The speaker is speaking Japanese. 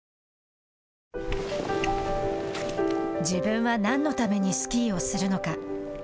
自分は何のためにスキーをするのか。